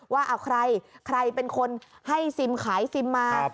ว่าเอาใครใครเป็นคนให้ซิมขายซิมมา